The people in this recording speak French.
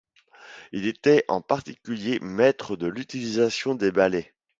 Il était en particulier maitre dans l’utilisation des balais.